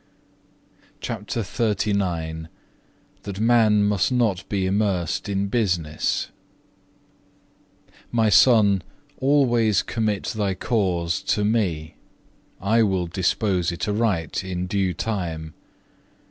(1) Joshua ix. 14. CHAPTER XXXIX That man must not be immersed in business "My Son, always commit thy cause to Me; I will dispose it aright in due time.